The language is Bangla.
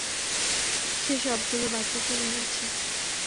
সে সবগুলো বাচ্চাকেই মেরেছে।